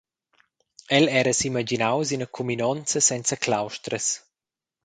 El era s’imaginaus ina cuminonza senza claustras.